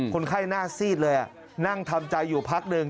คนไข้หน้าซีดเลยนั่งทำใจอยู่พักหนึ่ง